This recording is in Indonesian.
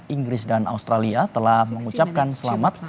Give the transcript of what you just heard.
inggris dan australia telah mengucapkan selamat